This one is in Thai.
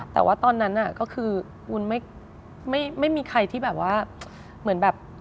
แต่ว่าตอนนั้นก็คือวุ้นไม่มีใครที่แบบว่าเหมือนแบบ